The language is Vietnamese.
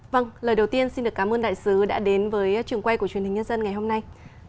vâng lời đầu tiên xin được cảm ơn đại sứ đã đến với trường quay của truyền hình nhân dân ngày hôm nay